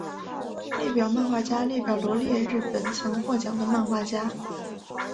日本漫画家列表罗列日本曾获奖的漫画家。